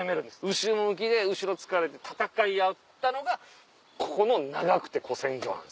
後ろ向きで後ろ突かれて戦い合ったのがここの長久手古戦場なんです。